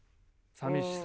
寂しさ。